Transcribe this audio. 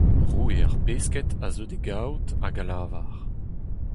Roue ar pesked a zeu d'e gaout hag a lavar :